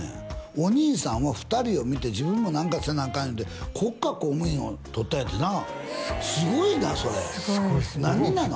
お兄さんは２人を見て自分も何かせなあかんいうて国家公務員を取ったんやってなすごいなそれすごい何なの？